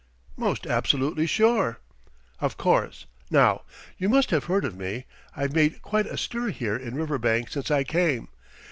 "Most absolutely sure." "Of course! Now, you must have heard of me I've made quite a stir here in Riverbank since I came.